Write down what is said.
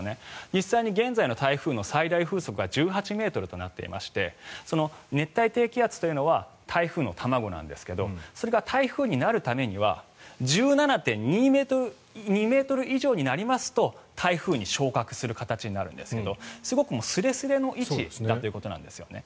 実際に現在の台風の最大風速が１８ｍとなっていまして熱帯低気圧というのは台風の卵なんですがそれが台風になるためには１７．２ｍ以上になりますと台風に昇格する形になるんですがすごく、すれすれの位置だということなんですよね。